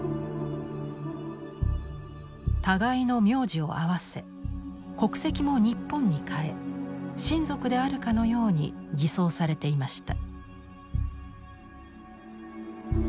互いの名字を合わせ国籍も日本に変え親族であるかのように偽装されていました。